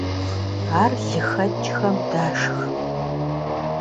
Ар лыхэкIхэм дашх.